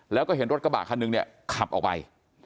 แล้วก็เห็นรถกระบะคันนึงเนี่ยขับออกไป